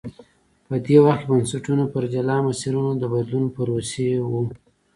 په دې وخت کې بنسټونه پر جلا مسیرونو د بدلون پروسې ووه.